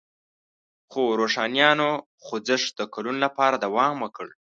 خو روښانیانو خوځښت د کلونو لپاره دوام وکړ.